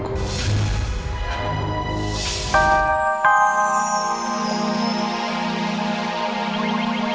karena aku sudah berusaha menghasilkannya